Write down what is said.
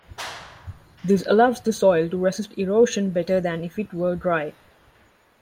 This allows the soil to resist erosion better than if it were dry.